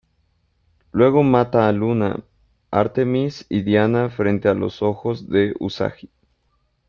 Luego mata a Luna, Artemis y Diana frente a los ojos de Usagi.